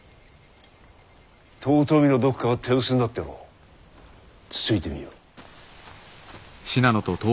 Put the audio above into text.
遠江のどこかが手薄になっておろうつついてみよ。